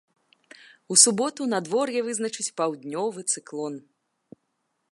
У суботу надвор'е вызначыць паўднёвы цыклон.